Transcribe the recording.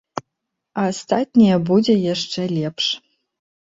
А астатняе будзе яшчэ лепш!